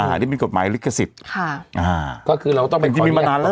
อ่านี่เป็นกฎหมายลิขสิทธิ์ค่ะอ่าก็คือเราต้องมีมานานแล้ว